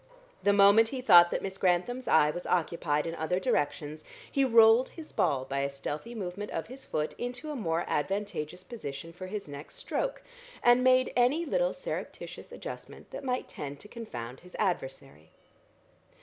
The moment he thought that Miss Grantham's eye was occupied in other directions, he rolled his ball by a stealthy movement of his foot into a more advantageous position for his next stroke, and made any little surreptitious adjustment that might tend to confound his adversary.